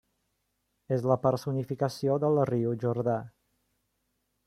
És la personificació del riu Jordà.